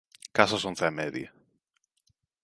Case as once e media.